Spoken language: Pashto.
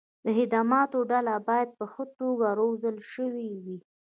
د خدماتو ډله باید په ښه توګه روزل شوې وي.